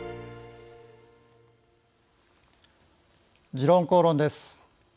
「時論公論」です。